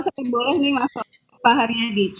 sebut boleh nih pak haryadi